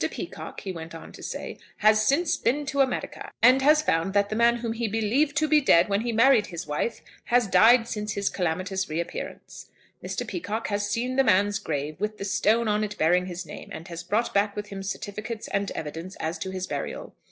Peacocke," he went on to say, "has since been to America, and has found that the man whom he believed to be dead when he married his wife, has died since his calamitous reappearance. Mr. Peacocke has seen the man's grave, with the stone on it bearing his name, and has brought back with him certificates and evidence as to his burial.